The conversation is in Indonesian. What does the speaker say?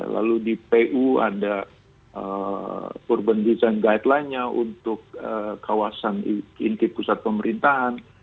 lalu di pu ada urban design guideline nya untuk kawasan inti pusat pemerintahan